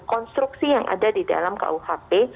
konstruksi yang ada di dalam kuhp